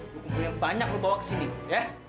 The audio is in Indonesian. lo kumpulin yang banyak lo bawa kesini ya